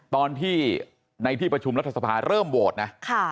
ตอนที่ในที่ประชุมรัฐสภาเริ่มโหวตนะ